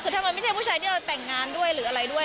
คือถ้ามันไม่ใช่ผู้ชายที่เราแต่งงานด้วยหรืออะไรด้วย